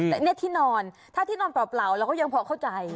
แล้วเนี้ยที่นอนถ้าที่นอนเปล่าเราก็ยังเพราะเข้าใจ